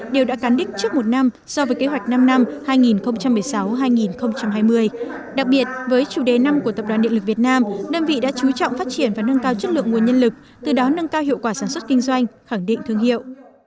đều đã cán đích trước một năm so với kế hoạch năm năm hai nghìn một mươi sáu hai nghìn hai mươi đặc biệt với chủ đề năm của tập đoàn điện lực việt nam đơn vị đã chú trọng phát triển và nâng cao chất lượng nguồn nhân lực từ đó nâng cao hiệu quả sản xuất kinh doanh khẳng định thương hiệu